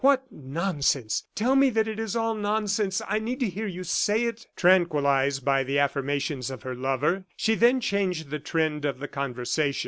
What nonsense! Tell me that it is all nonsense. I need to hear you say it." Tranquilized by the affirmations of her lover, she then changed the trend of the conversation.